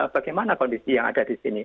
bagaimana kondisi yang ada di sini